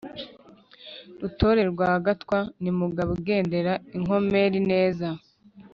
Rutore rwa Sagatwa ni Mugabo ugendera inkomeri neza